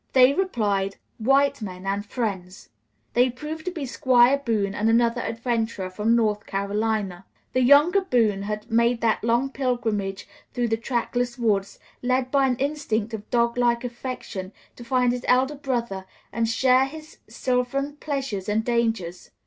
They replied, "White men and friends." They proved to be Squire Boone and another adventurer from North Carolina. The younger Boone had made that long pilgrimage through the trackless woods, led by an instinct of doglike affection, to find his elder brother and share his sylvan pleasures and dangers.